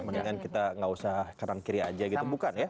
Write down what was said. mendingan kita gak usah kanan kiri aja gitu bukan ya